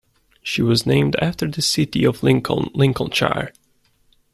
She was named after the city of Lincoln, Lincolnshire.